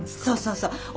そうそうそう。